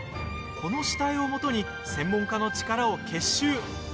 この下絵をもとに専門家の力を結集。